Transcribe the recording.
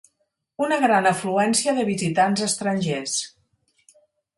Una gran afluència de visitants estrangers.